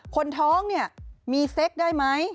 คนท้องเนี่ยมีเซ็กได้ไหม